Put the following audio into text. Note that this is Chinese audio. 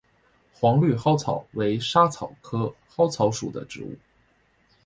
黄绿薹草为莎草科薹草属的植物。